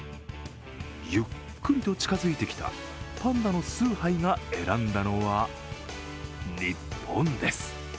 ゆっくりと近づいてきたパンダのスーハイが選んだのは日本です。